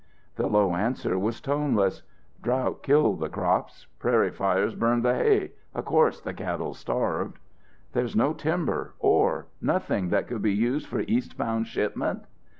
The low answer was toneless. "Drought killed the crops, prairie fires burned the hay, of course the cattle starved." "There's no timber, ore, nothing that could be used for east bound shipment?"